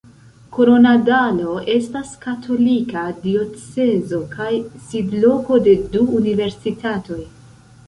Koronadalo estas katolika diocezo kaj sidloko de du universitatoj.